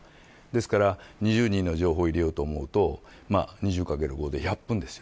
ですから２０人の情報を入れようと思うと２０×５で１００分です。